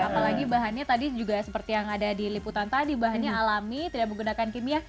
apalagi bahannya tadi juga seperti yang ada di liputan tadi bahannya alami tidak menggunakan kimia